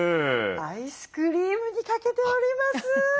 アイスクリームにかけております。